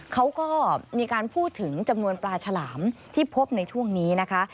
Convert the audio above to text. เขาก็มีการพูดถึงจำนวนปลาฉลามที่พบในช่วงนี้นะคะ